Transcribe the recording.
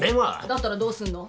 だったらどうすんの？